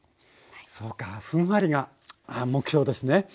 そうかふんわりが目標ですね。